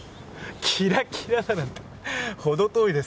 キラキラだなんてほど遠いです。